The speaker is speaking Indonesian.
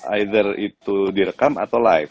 either itu direkam atau live